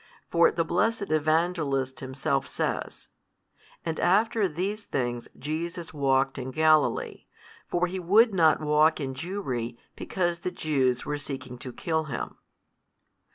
For the blessed Evangelist himself says, And after these things Jesus walked in Galilee, for He would not walk in Jewry because the Jews were seeking to kill Him.